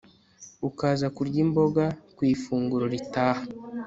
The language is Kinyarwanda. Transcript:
ukaza kurya imboga ku ifunguro ritaha